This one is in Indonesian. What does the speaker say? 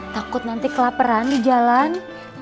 takut nanti kelaperan di jalan